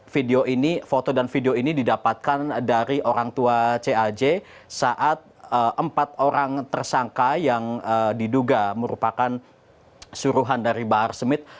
video ini foto dan video ini didapatkan dari orang tua caj saat empat orang tersangka yang diduga merupakan suruhan dari bahar smith